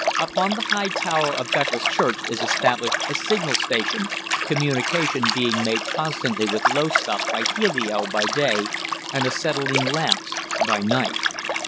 Upon the high tower of Beccles Church is established a signal station, communication being made constantly with Lowestoft by helio by day, and acetylene lamps by night.